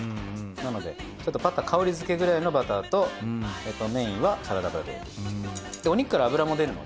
なのでちょっと香りづけくらいのバターとメインはサラダ油で。